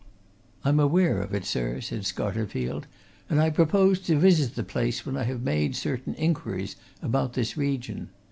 "I'm aware of it, sir," said Scarterfield, "and I propose to visit the place when I have made certain inquiries about this region.